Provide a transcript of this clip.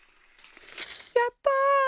やった！